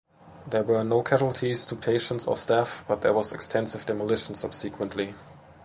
There were no casualties to patients or staff, but there was extensive demolition subsequently.